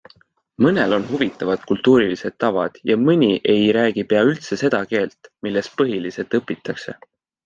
Mõnel on huvitavad kultuurilised tavad ja mõni ei räägi pea üldse seda keelt, milles põhiliselt õpitakse.